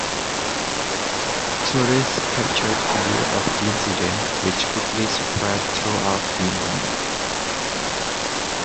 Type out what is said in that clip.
Tourists captured video of the incident, which quickly spread throughout the Internet.